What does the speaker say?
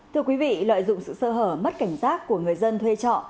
thưa quý vị lợi dụng sự sơ hở mất cảnh giác của người dân thuê trọ